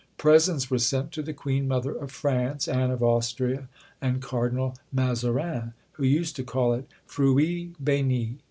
Presents were sent to the Queen Mother of France, Anne of Austria, and Cardinal Mazarin, who used to call it "fruit béni."